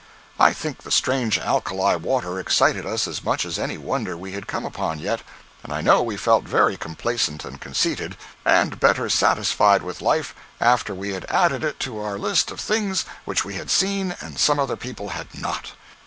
I think the strange alkali water excited us as much as any wonder we had come upon yet, and I know we felt very complacent and conceited, and better satisfied with life after we had added it to our list of things which we had seen and some other people had not.